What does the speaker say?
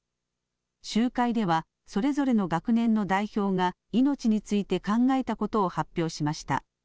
集会では、それぞれの学年の代表が命について考えたことを発表しました。